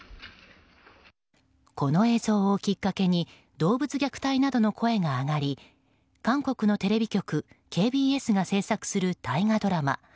この映像をきっかけに動物虐待などの声が上がり韓国のテレビ局ＫＢＳが制作する大河ドラマ